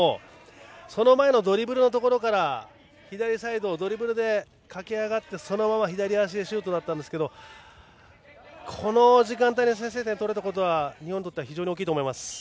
その前のドリブルのところから左サイドをドリブルで駆け上がってそのまま左足でシュートだったんですがこの時間帯に先制点が取れたことは日本にとって非常に大きいと思います。